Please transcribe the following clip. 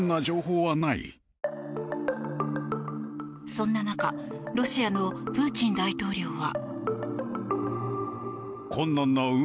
そんな中ロシアのプーチン大統領は。